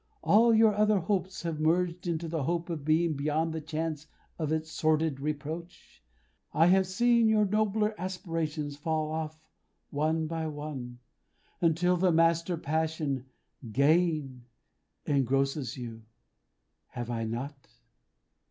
"All your other hopes have merged into the hope of being beyond the chance of its sordid reproach. I have seen your nobler aspirations fall off one by one, until the master passion, Gain, engrosses you. Have I not?"